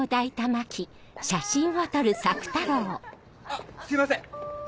あっすいません